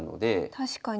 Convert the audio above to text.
確かに。